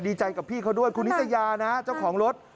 ดีใจกับพี่เขาด้วยคุณนิตยานะเจ้าของรถ